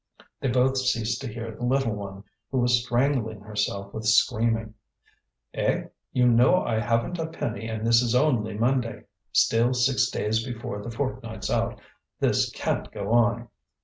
They both ceased to hear the little one, who was strangling herself with screaming. "Eh? You know I haven't a penny and this is only Monday: still six days before the fortnight's out. This can't go on.